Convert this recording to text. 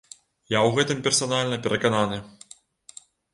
Я ў гэтым персанальна перакананы.